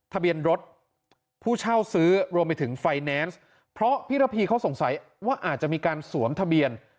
ทะเบียนรถผู้เช่าซื้อรวมไปถึงไฟแนนซ์เพราะพี่ระพีเขาสงสัยว่าอาจจะมีการสวมทะเบียน